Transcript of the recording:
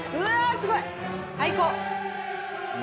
すごい最高！